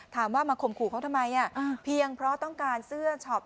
ถามว่ามาข่มขู่เขาทำไมเพียงเพราะต้องการเสื้อช็อป